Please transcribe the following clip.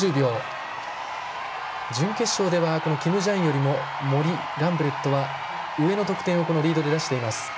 準決勝ではキム・ジャインよりも森、ガンブレットは上の得点をリードで出しています。